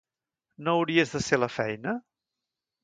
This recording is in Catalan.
No hauries de ser a la feina?